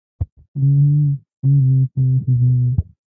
ده هم سر راته وخوځاوه.